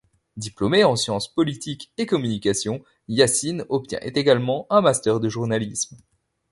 Diplômé en science politique et communication, Yassin obtient également un master de journalisme.